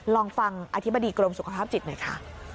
ลองฟังอธิบดีกรมสุขภาพจิตหน่อยค่ะ